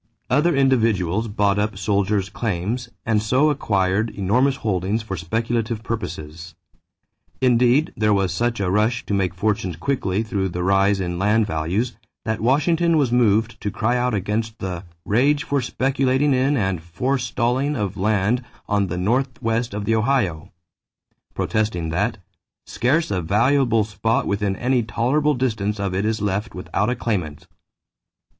Other individuals bought up soldiers' claims and so acquired enormous holdings for speculative purposes. Indeed, there was such a rush to make fortunes quickly through the rise in land values that Washington was moved to cry out against the "rage for speculating in and forestalling of land on the North West of the Ohio," protesting that "scarce a valuable spot within any tolerable distance of it is left without a claimant."